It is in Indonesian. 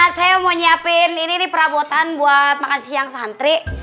saya mau nyiapin ini nih perabotan buat makan siang santri